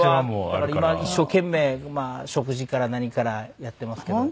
だから今一生懸命食事から何からやってますけど。